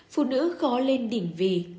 phụ nữ khó lên đỉnh vì